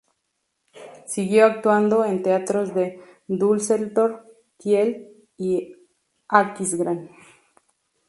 Siguió actuando en teatros de Düsseldorf, Kiel y Aquisgrán.